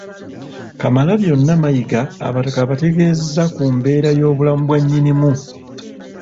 Kamalabyonna Mayiga abataka abategeezezza ku mbeera y'obulamu bwa Nnyinimu